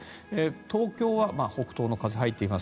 東京は北東の風が入ってきます。